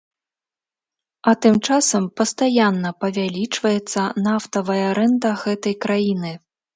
А тым часам пастаянна павялічваецца нафтавая рэнта гэтай краіны.